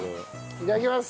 いただきます！